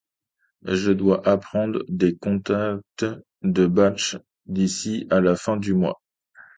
Je dois apprendre des cantates de Bach d'ici à la fin du mois.